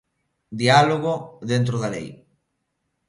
Diálogo dentro da lei.